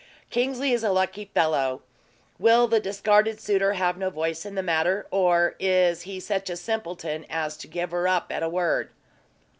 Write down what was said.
"Kingsley is a lucky fellow. Will the discarded suitor have no voice in the matter; or is he such a simpleton as to give her up at a word?"